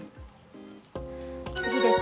次です。